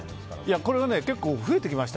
これは増えてきました。